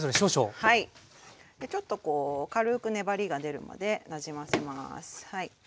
ちょっとこう軽く粘りが出るまでなじませます。